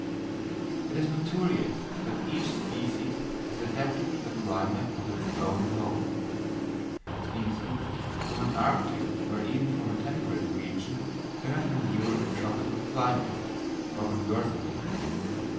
It is notorious that each species is adapted to the climate of its own home: species from an arctic or even from a temperate region cannot endure a tropical climate, or conversely.